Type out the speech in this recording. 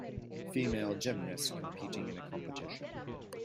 Female gymnast competing in a competition